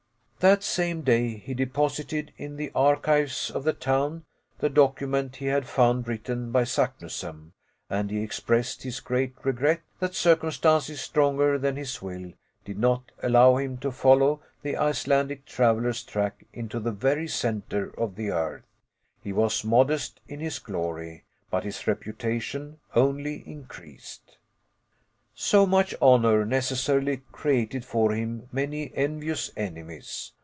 That same day he deposited in the archives of the town the document he had found written by Saknussemm, and he expressed his great regret that circumstances, stronger than his will, did not allow him to follow the Icelandic traveler's track into the very centre of the earth. He was modest in his glory, but his reputation only increased. So much honor necessarily created for him many envious enemies.